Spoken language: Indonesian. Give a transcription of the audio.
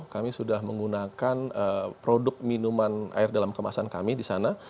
kami sudah menggunakan produk minuman air dalam kemasan kami di sana